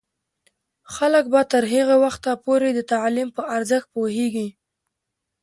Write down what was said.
خلک به تر هغه وخته پورې د تعلیم په ارزښت پوهیږي.